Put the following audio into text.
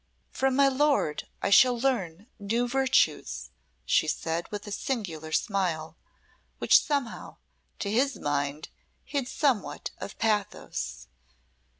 "From my lord I shall learn new virtues," she said, with a singular smile, which somehow to his mind hid somewhat of pathos.